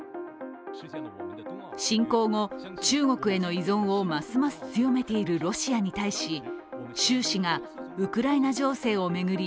侵攻後、中国への依存をますます強めているロシアに対し習氏がウクライナ情勢を巡り